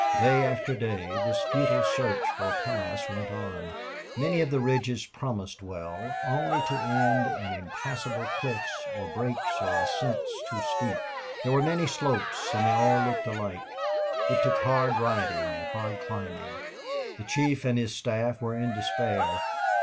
Day after day this futile search for a pass went on. Many of the ridges promised well, only to end in impassable cliffs or breaks or ascents too steep. There were many slopes and they all looked alike. It took hard riding and hard climbing. The chief and his staff were in despair.